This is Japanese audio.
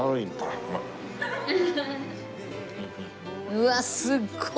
うわすっごい。